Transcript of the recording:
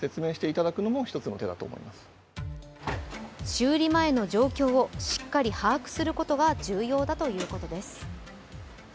修理前の状況をしっかり把握することが重要だということです。